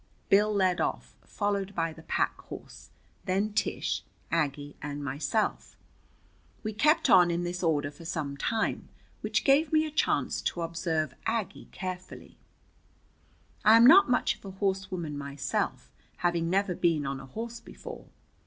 Bill led off, followed by the pack horse, then Tish, Aggie and myself. We kept on in this order for some time, which gave me a chance to observe Aggie carefully. I am not much of a horsewoman myself, having never been on a horse before.